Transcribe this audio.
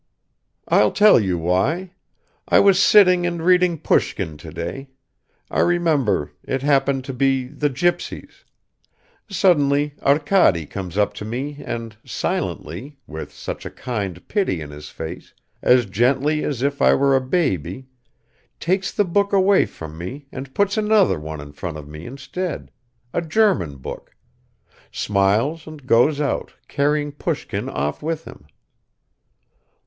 "I'll tell you why. I was sitting and reading Pushkin today ... I remember, it happened to be The Gypsies ... Suddenly Arkady comes up to me and silently, with such a kind pity in his face, as gently as if I were a baby, takes the book away from me and puts another one in front of me instead ... a German book ... smiles and goes out, carrying Pushkin off with him."